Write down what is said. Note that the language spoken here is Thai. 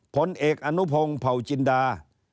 ผลเอกอนุพงศ์เผาจินดา